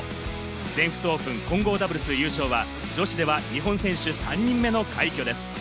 全仏オープン混合ダブルス優勝は、女子では日本選手３人目の快挙です。